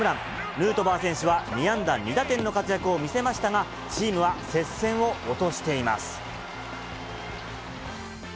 ヌートバー選手は２安打２打点の活躍を見せましたが、チームは接戦を落としています。